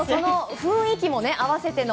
雰囲気も合わせての。